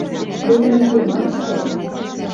— Тӹньӹм ӹнде мам ӹштӓш?